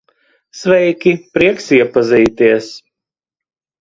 Sveiki, prieks iepazīties.